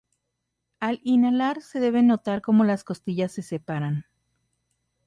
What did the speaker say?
Al inhalar se debe notar como las costillas se separan.